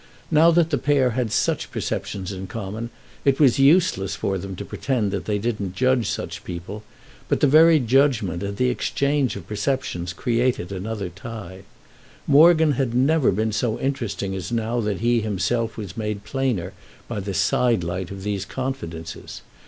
Now that the pair had such perceptions in common it was useless for them to pretend they didn't judge such people; but the very judgement and the exchange of perceptions created another tie. Morgan had never been so interesting as now that he himself was made plainer by the sidelight of these confidences.